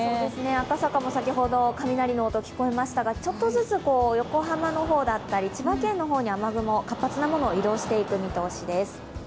赤坂も先ほど雷の音が聞こえましたが、ちょっとずつ横浜の方だったり千葉県の方に雨雲、活発なものが移動していく見通しです。